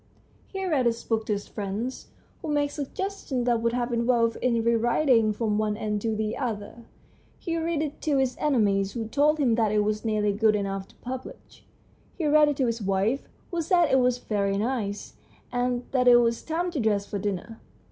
He read his book to his friends, who made suggestions that would have involved its re writing from one end to the other. He read it to his enemies, who told him that it was nearly good enough to publish ; he read it to his wife, who said that it was very nice, and that it was time to dress for dinner.